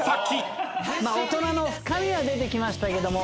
大人の深みは出てきましたけども。